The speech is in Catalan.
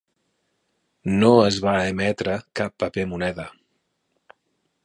No es va emetre cap paper moneda.